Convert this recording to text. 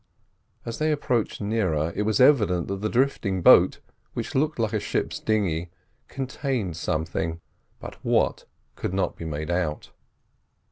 As they approached nearer, it was evident that the drifting boat, which looked like a ship's dinghy, contained something, but what, could not be made out.